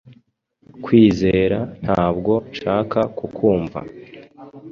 kwizera ntabwo nshaka kukumva